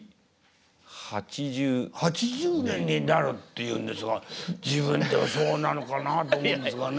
８０年になるっていうんですが自分でもそうなのかなって思うんですがね。